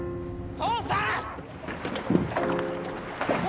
父さん！